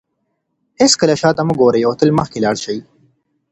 هیڅکله شاته مه ګورئ او تل مخکې لاړ شئ.